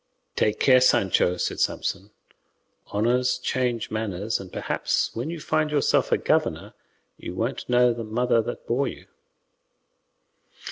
"Take care, Sancho," said Samson; "honours change manners, and perhaps when you find yourself a governor you won't know the mother that bore you."